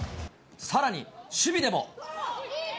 さらに、守備でも。